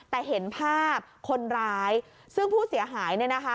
แต่เห็นภาพคนร้ายซึ่งผู้เสียหายเนี่ยนะคะ